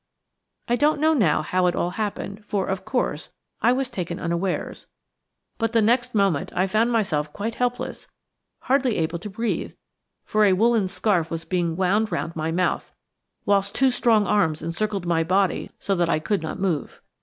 I don't know now how it all happened, for, of course, I was taken unawares; but the next moment I found myself quite helpless, hardly able to breathe, for a woolen scarf was being wound round my mouth, whilst two strong arms encircled my body so that I could not move.